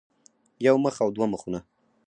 يو مخ او دوه مخونه